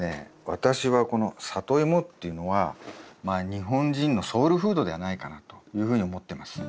私はこのサトイモっていうのはまあ日本人のソウルフードではないかなというふうに思ってます。